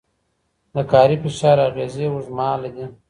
د کاري فشار اغېزې اوږدمهاله دي.